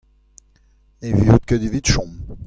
ne viot ket evit chom.